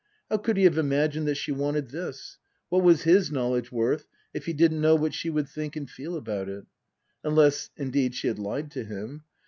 How could he have imagined that she wanted this ? What was his knowledge worth if he didn't know what she would think and feel about it ? Unless, indeed, she had lied to him.